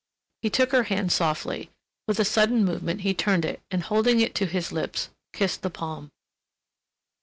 He took her hand softly. With a sudden movement he turned it and, holding it to his lips, kissed the palm.